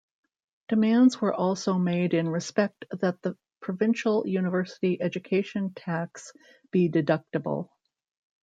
Demands were also made in respect that the provincial university education tax be deductible.